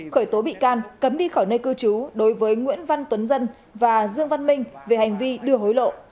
khởi tố bị can cấm đi khỏi nơi cư trú đối với nguyễn văn tuấn dân và dương văn minh về hành vi đưa hối lộ